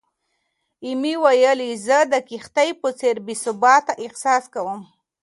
ایمي ویلي، "زه د کښتۍ په څېر بې ثباته احساس کوم."